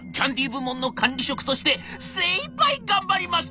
部門の管理職として精いっぱい頑張ります！」。